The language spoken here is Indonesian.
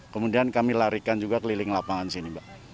kemudian kami larikan juga keliling lapangan sini mbak